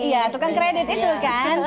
iya tukang kredit itu kan